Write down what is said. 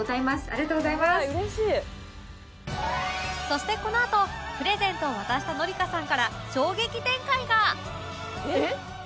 そしてこのあとプレゼントを渡した紀香さんから衝撃展開が！